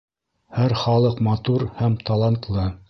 Һәр халыҡ матур һәм талантлы